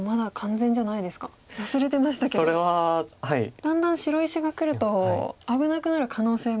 だんだん白石がくると危なくなる可能性も。